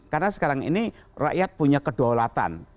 karena sekarang ini rakyat punya kedolatan